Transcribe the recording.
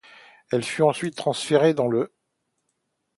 Elle fut ensuite transférée dans le '.